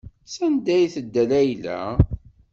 Sanda ay tedda Layla?